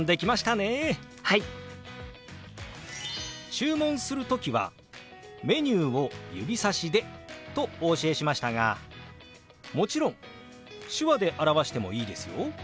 注文する時はメニューを指さしでとお教えしましたがもちろん手話で表してもいいですよ。